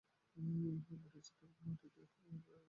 বোটের ছাদের উপরে মাঝি নমাজ পড়িতেছে।